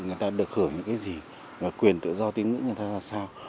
người ta được hưởng những cái gì và quyền tự do tiếng ngữ người ta ra sao